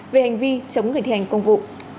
về hành vi chống người thi hành công vụ